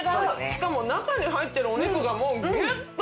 しかも中に入ってるお肉がもうギュっと。